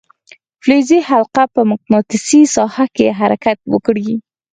فلزي حلقه په مقناطیسي ساحه کې حرکت وکړي.